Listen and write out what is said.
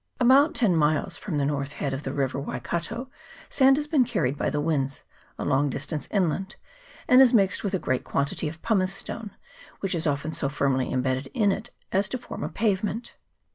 About ten miles from the north head of the river Waikato sand has been carried by the winds a long distance inland, and is mixed with a great quantity of pumicestone, which is often so firmly imbedded in it as to form a pavement.